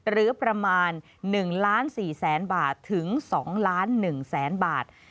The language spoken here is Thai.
หรือประมาณ๑๔๐๐๐๐๐บาทถึง๒๑๐๐๐๐๐บาท